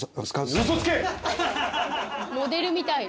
モデルみたいな。